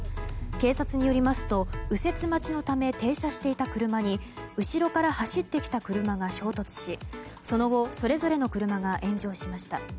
警察によりますと右折待ちのため停車していた車に後ろから走ってきた車が衝突しその後、それぞれの車が炎上しました。